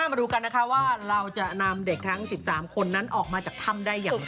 มาดูกันนะคะว่าเราจะนำเด็กทั้ง๑๓คนนั้นออกมาจากถ้ำได้อย่างไร